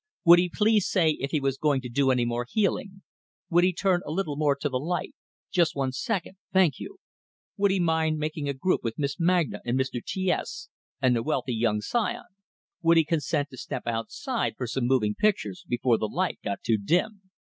Would he please say if he was going to do any more healing? Would he turn a little more to the light just one second, thank you. Would he mind making a group with Miss Magna and Mr. T S and the "wealthy young scion"? Would he consent to step outside for some moving pictures, before the light got too dim?